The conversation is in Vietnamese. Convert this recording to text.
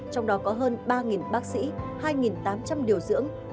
trong đó có hơn ba bác sĩ hai tám trăm linh điều dưỡng